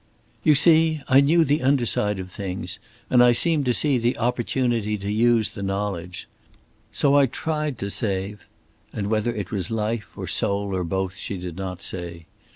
"You see, I knew the under side of things, and I seemed to see the opportunity to use the knowledge. So I tried to save"; and whether it was life or soul, or both, she did not say.